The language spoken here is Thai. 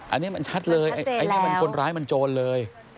อันนี้มันชัดเลยอันนี้มันคนร้ายมันโจรเลย